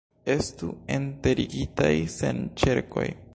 Estu enterigitaj sen ĉerkoj!